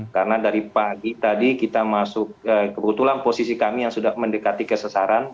karena dari pagi tadi kita masuk kebetulan posisi kami yang sudah mendekati kesesaran